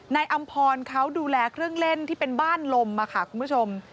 อำพรเขาดูแลเครื่องเล่นที่เป็นบ้านลมค่ะคุณผู้ชม